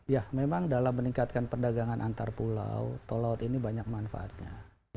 ya memang dalam meningkatkan perdagangan antar pulau tol laut ini banyak manfaatnya